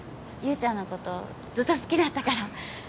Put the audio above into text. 優ちゃんのことずっと好きだったから。